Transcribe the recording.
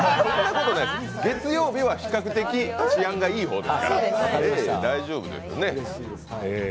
月曜日は比較的、治安がいい方ですから、大丈夫ですよ。